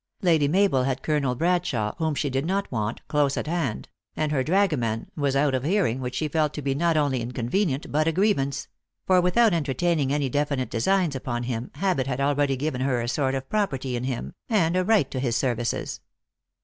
Lady Mabel had Colonel Bradshawe, whom she did not want, close at hand ; and her dragoman was out of hearing, which she felt to be not only in convenient, but a grievance; for without entertaining any definite designs upon him, habit had already given her a sort of property in him, and a right to his services.